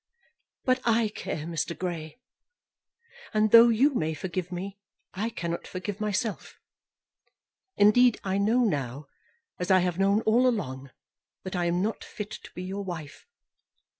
"But I care, Mr. Grey; and though you may forgive me, I cannot forgive myself. Indeed I know now, as I have known all along, that I am not fit to be your wife.